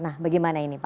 nah bagaimana ini pak